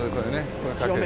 これかける。